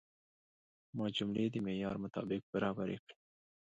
ما جملې د معیار مطابق برابرې کړې.